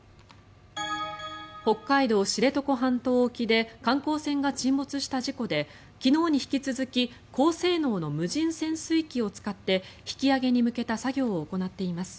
北海道・知床半島沖で観光船が沈没した事故で昨日に引き続き高性能の無人潜水機を使って引き揚げに向けた作業を行っています。